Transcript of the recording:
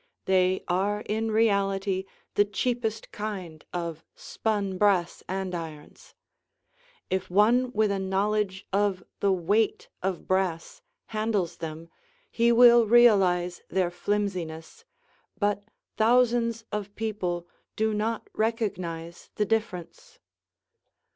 They are in reality the cheapest kind of spun brass andirons. If one with a knowledge of the weight of brass handles them, he will realize their flimsiness, but thousands of people do not recognize the difference.